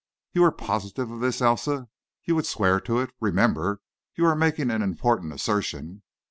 "You're positive of this, Elsa? you would swear to it? Remember, you are making an important assertion."